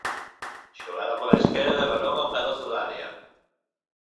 Xogada pola esquerda e balón ao carozo da área.